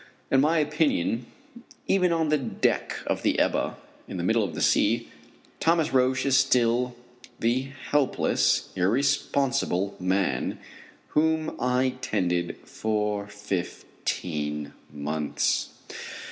In my opinion, even on the deck of the Ebba, in the middle of the sea, Thomas Roch is still the helpless, irresponsible man whom I tended for fifteen months.